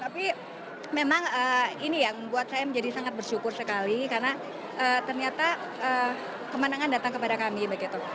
tapi memang ini yang membuat saya menjadi sangat bersyukur sekali karena ternyata kemenangan datang kepada kami begitu